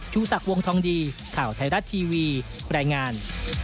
ชูสักวงธองดีข่าวไทยรัฐทีวีแปรงาน